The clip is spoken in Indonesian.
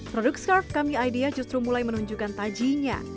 produk scarf kami idea justru mulai menunjukkan tajinya